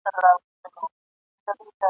نوم یې هري دی په ځان غره دی ..